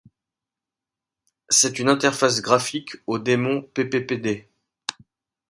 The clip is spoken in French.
C'est une interface graphique au démon pppd.